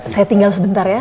saya tinggal sebentar ya